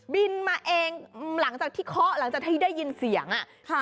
บินมาเองหลังจากที่เคาะหลังจากที่ได้ยินเสียงอะ